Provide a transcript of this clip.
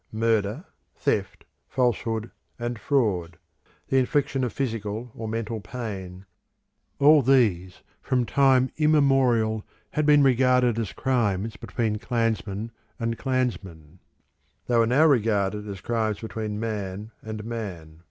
Murder, theft, falsehood, and fraud, the infliction of physical or mental pain, all these from time immemorial had been regarded as crimes between clansmen and clansmen; they were now regarded as crimes between man and man.